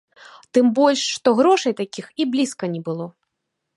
Тым больш, што грошай такіх і блізка не было.